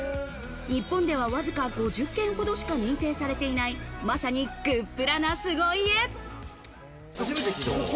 日本では、わずか５０軒ほどしか認定されていない、まさにグップラな凄家。